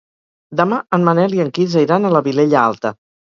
Demà en Manel i en Quirze iran a la Vilella Alta.